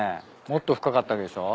もっと深かったわけでしょ？